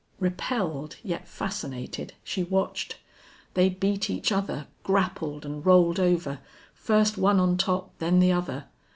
Repelled, yet fascinated, she watched. They beat each other, grappled and rolled over, first one on top, then the other.